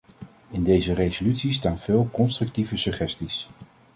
In deze resolutie staan veel constructieve suggesties.